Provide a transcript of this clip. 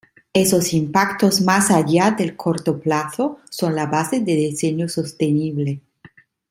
Esos impactos más allá del corto plazo son la base de diseño sostenible.